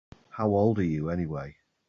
How old are you anyway?